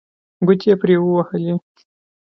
ګوتې یې پرې ووهلې.